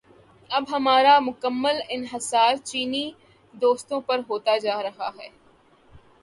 اب ہمارا مکمل انحصار چینی دوستوں پہ ہوتا جا رہا ہے۔